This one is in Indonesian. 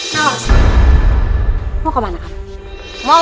kau mau kemana kajeng ratu